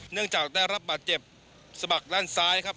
เนื่องจากได้รับบาดเจ็บสะบักด้านซ้ายครับ